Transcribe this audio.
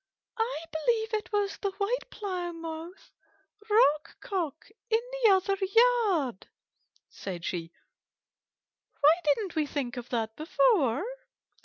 "I believe it was the White Plymouth Rock Cock in the other yard," said she. "Why didn't we think of that before?"